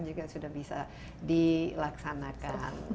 juga sudah bisa dilaksanakan